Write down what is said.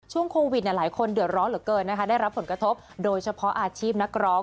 ช่วงโควิดหลายคนเดือดร้อนเหลือเกินนะคะได้รับผลกระทบโดยเฉพาะอาชีพนักร้อง